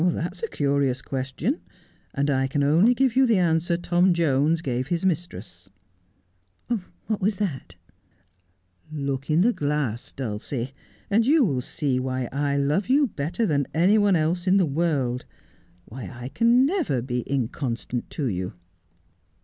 ' That's a curious question, and I can only give you the answer Tom Jones gave his mistress.' ' What was that 1 '' Look in the glass, Dulcie, and you will see why I love you better than any one else in the world ; why I never can be inconstant to you.'